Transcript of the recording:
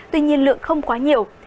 tuy nhiên lượng không quá nhiều